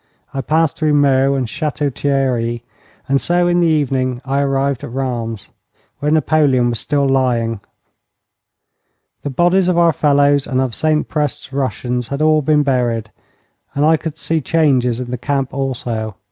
I passed through Meaux and Château Thierry, and so in the evening I arrived at Rheims, where Napoleon was still lying. The bodies of our fellows and of St Prest's Russians had all been buried, and I could see changes in the camp also.